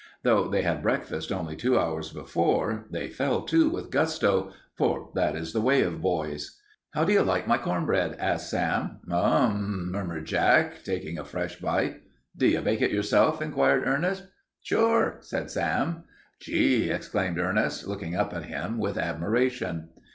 Though they had breakfasted only two hours before, they fell to with gusto, for that is the way of boys. "How do you like my corn bread?" asked Sam. "M m!" murmured Jack, taking a fresh bite. "Do you bake it yourself?" inquired Ernest. "Sure," said Sam. "Gee!" exclaimed Ernest, looking up at him with admiration.